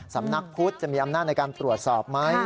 สำนักพุทธจะมีอำนาจในการตรวจสอบไหม